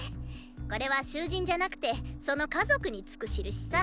これは囚人じゃなくてその家族につく印さ。